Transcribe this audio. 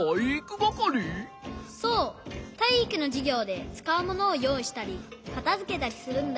そうたいいくのじゅぎょうでつかうものをよういしたりかたづけたりするんだ。